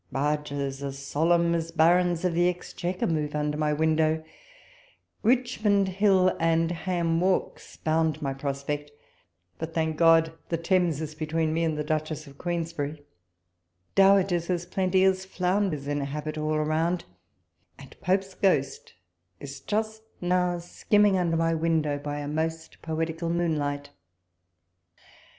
barges as solemn as Barons of the Exchequer move under my window ; Richmond Hill and Ham walks bound my prospect ; but, thank God ! the Thames is between me and the Duchess of Queensberry. Dowagers as plenty aS flounders inhabit all around, and Pope's ghost is just now skimming under my window by a most poetical moonlight.